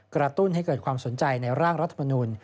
กระตุ้นให้เกิดความสนใจในร่างรัฐมนุน